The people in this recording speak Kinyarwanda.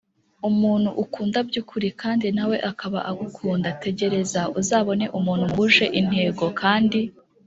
umuntu ukunda byukuri kandi na we akaba agukunda Tegereza uzabone umuntu muhuje intego kandi